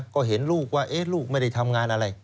ก็เห็นลูกว่าลูกไม่ได้ทำงานอะไร